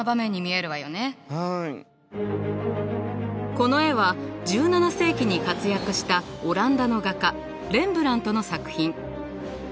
この絵は１７世紀に活躍したオランダの画家レンブラントの作品。